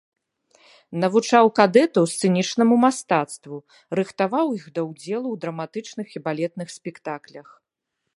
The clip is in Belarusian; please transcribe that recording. Навучаў кадэтаў сцэнічнаму мастацтву, рыхтаваў іх да удзелу ў драматычных і балетных спектаклях.